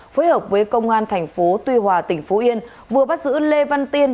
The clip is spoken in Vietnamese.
phối hợp với công an tp hcm vừa bắt giữ lê văn tiên